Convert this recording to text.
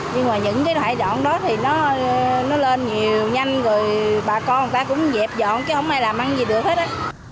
nhưng mà những cái thải đoạn đó thì nó lên nhiều nhanh rồi bà con người ta cũng dẹp dọn chứ không ai làm ăn gì được hết á